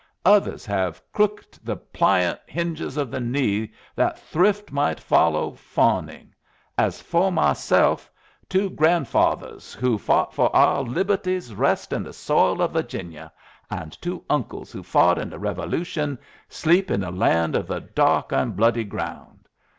Others have crooked the pliant hinges of the knee that thrift might follow fawning. As fo' myself, two grandfathers who fought fo' our libuhties rest in the soil of Virginia, and two uncles who fought in the Revolution sleep in the land of the Dark and Bloody Ground.